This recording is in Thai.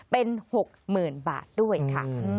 เป็น๖๐๐๐บาทด้วยค่ะ